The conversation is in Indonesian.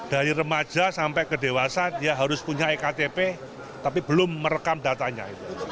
dari remaja sampai kedewasan ya harus punya ektp tapi belum merekam datanya